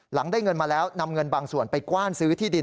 ได้เงินมาแล้วนำเงินบางส่วนไปกว้านซื้อที่ดิน